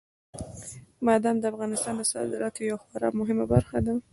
بادام د افغانستان د صادراتو یوه خورا مهمه برخه ده.